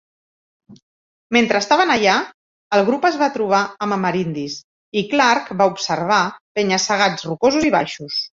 Mentre estaven allà, el grup es va trobar amb amerindis i Clark va observar "penya-segats rocosos i baixos".